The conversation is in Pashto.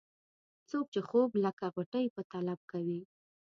څوک چې خوب لکه غوټۍ په طلب کوي.